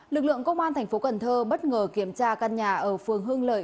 lực lượng công an thành phố cần thơ bất ngờ kiểm tra căn nhà ở phương hương lợi